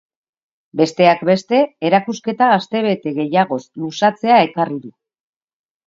Besteak beste, erakusketa astebete gehiagoz luzatzea ekarri du.